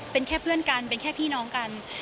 เป็นแค่เพื่อนกันเป็นแค่พี่น้องกัน